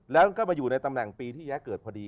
แล้วก็มาอยู่ในตำแหน่งปีที่แย้เกิดพอดี